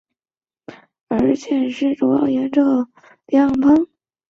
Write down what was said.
城区主要沿着一条两旁是中国商店的街道而建。